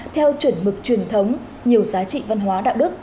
theo chuẩn mực truyền thống nhiều giá trị văn hóa đạo đức